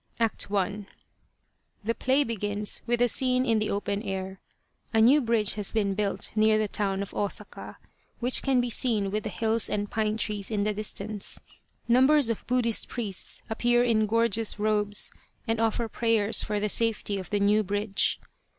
ACT I. The play begins with a scene in the open air. A new bridge has been built near the town of Osaka, which can be seen with the hills and pine trees in the distance. Numbers of Buddhist priests appear in gorgeous robes and offer prayers for the safety of the new bridge.